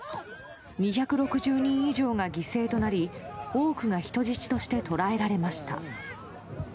２６０人以上が犠牲となり多くが人質として捕らえられました。